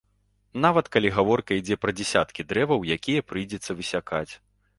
Нават калі гаворка ідзе пра дзясяткі дрэваў, якія прыйдзецца высякаць.